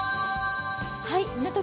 港区